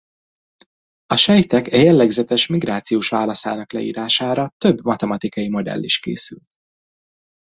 A sejtek e jellegzetes migrációs válaszának leírására több matematikai modell is készült.